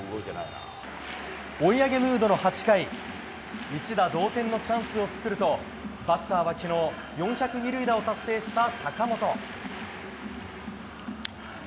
追い上げムードの８回一打同点のチャンスを作るとバッターは昨日４００二塁打を達成した坂本。